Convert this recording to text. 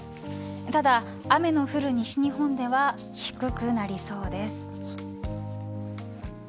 ただ、雨の降る西日本では低くなりそうです。